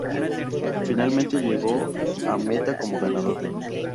Finalmente llegó a meta como ganador.